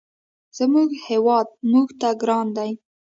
زموږ هېواد موږ ته ګران دی.